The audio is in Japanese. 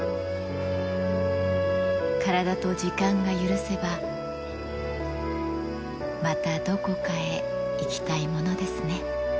体と時間が許せば、またどこかへ行きたいものですね。